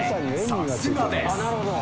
さすがです